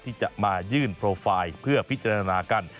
ที่จะมายื่นโปรไฟล์เพื่อพิจารณากัน